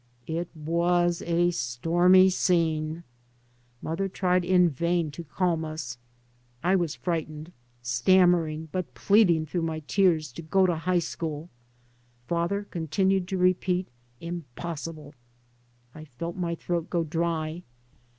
It was a stormy scene. Mother tried in vain to calm us. I was frightened, stammering, but pleading through my tears to go to high school. Father con tinued to repeat: " Impossible." I felt my throat go dry.